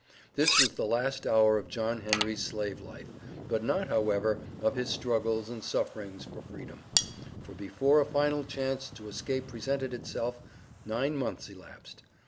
This was the last hour of John Henry's slave life, but not, however, of his struggles and sufferings for freedom, for before a final chance to escape presented itself, nine months elapsed.